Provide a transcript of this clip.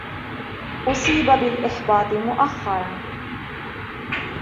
أصيب بالإحباط مؤخرا.